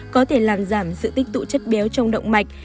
có thể làm giảm sự tích tụ chất béo trong động mạch